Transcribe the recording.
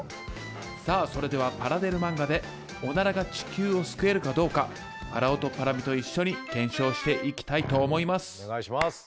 さあそれではパラデル漫画でオナラが地球を救えるかどうかパラオとパラミと一緒に検証していきたいと思います。